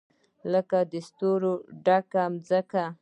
لکه د ستورو ډکه مځکه